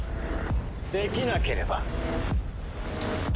できなければ。